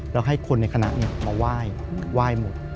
แล้วให้คนในคณะมาไหว้หมด